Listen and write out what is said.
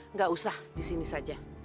nggak usah disini saja